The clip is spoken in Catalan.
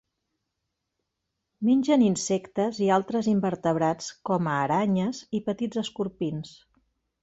Mengen insectes i altres invertebrats com a aranyes i petits escorpins.